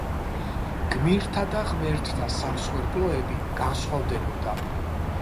გმირთა და ღმერთთა სამსხვერპლოები განსხვავდებოდა.